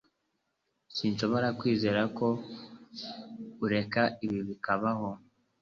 Sinshobora kwizera ko ureka ibi bikabaho